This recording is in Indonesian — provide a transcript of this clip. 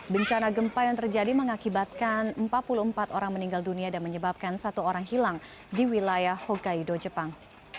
bencana gempa yang terjadi mengakibatkan empat puluh empat orang meninggal dunia dan menyebabkan satu orang hilang di wilayah hogaido jepang